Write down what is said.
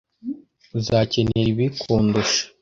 Uzakenera ibi kundusha.